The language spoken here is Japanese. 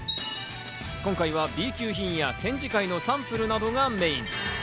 今回はＢ級品や展示会のサンプルなどがメイン。